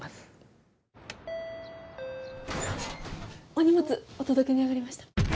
お荷物お届けに上がりました。